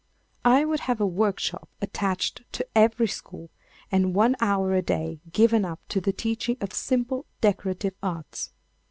I would have a workshop attached to every school, and one hour a day given up to the teaching of simple decorative arts.